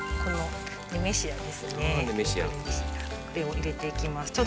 これを入れていきます。